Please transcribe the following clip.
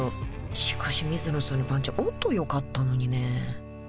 しかし水野さんのパンチ音よかったのにね